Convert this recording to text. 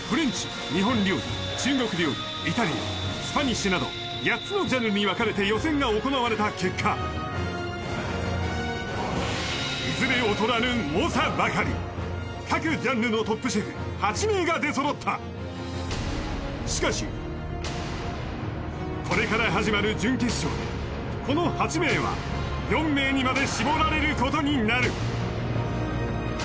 そこからなど８つのジャンルに分かれて予選が行われた結果いずれ劣らぬ猛者ばかり各ジャンルのトップシェフ８名が出そろったしかしこれから始まる準決勝でこの８名は４名にまで絞られることになる